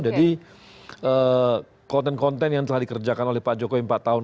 jadi konten konten yang telah dikerjakan oleh pak jokowi empat tahun